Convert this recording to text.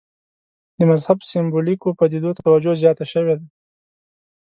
د مذهب سېمبولیکو پدیدو ته توجه زیاته شوې ده.